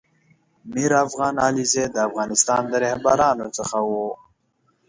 میر افغان علیزی دافغانستان د رهبرانو څخه و